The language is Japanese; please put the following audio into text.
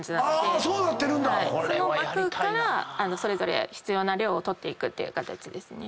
その膜からそれぞれ必要な量を取っていく形ですね。